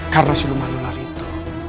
karena siona malangnya itu